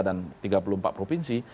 dan tiga puluh empat provinsi